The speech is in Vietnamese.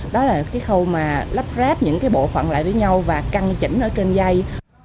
đó là cái khâu mà lắp ráp những cái bộ phận lại với nhau và căng chỉnh ở trên dây